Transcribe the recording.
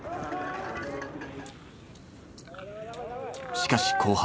しかし後半。